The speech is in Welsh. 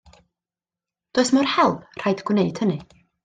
Does mo'r help, rhaid gwneud hynny.